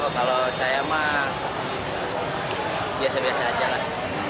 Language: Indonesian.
kalau saya mah biasa biasa aja lah